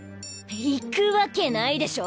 行くわけないでしょ！